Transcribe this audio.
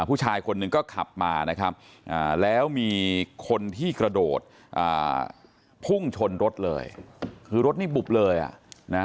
ผู้ชายคนหนึ่งก็ขับมานะครับแล้วมีคนที่กระโดดอ่าพุ่งชนรถเลยคือรถนี่บุบเลยอ่ะนะ